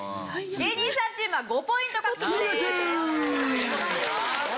芸人さんチームは５ポイント獲得です。